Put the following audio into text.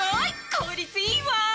効率いいわ！